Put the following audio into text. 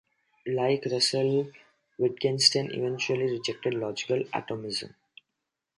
Like Russell, Wittgenstein eventually rejected Logical Atomism.